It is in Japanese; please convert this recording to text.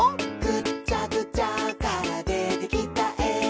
「ぐっちゃぐちゃからでてきたえ」